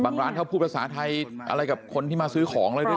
บางร้านเข้าผู้ภาษาไทยอะไรกับคนที่มาซื้อของอะไรด้วยเลยอ่ะ